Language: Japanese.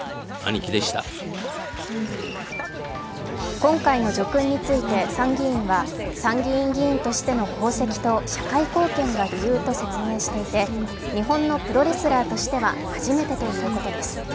今回の叙勲について参議院は参議院議員としての功績と社会貢献が理由と説明していて日本のプロレスラーとしては初めてということです。